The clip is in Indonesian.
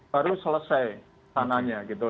baru selesai tananya gitu